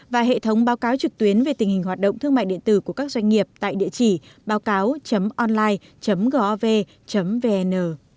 và hệ thống báo cáo trực tuyến về tình hình hoạt động thương mại điện tử của các doanh nghiệp tại địa chỉ báo cáo online gov vn